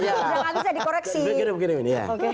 jangan bisa dikoreksi begini begini begini ya